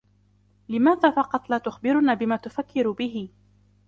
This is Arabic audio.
لماذا فقط لا تخبرنا بما تفكر به ؟